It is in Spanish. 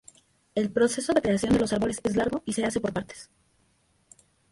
El proceso de creación de los árboles es largo y se hace por partes.